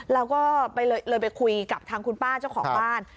เราก็เลยไปคุยกับทางคุณป้าเจ้าของบ้าน